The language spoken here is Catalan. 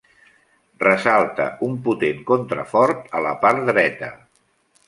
Ressalta un potent contrafort a la part dreta.